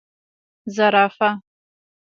🦒 زرافه